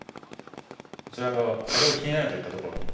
こちら側先ほど気になると言ったところに。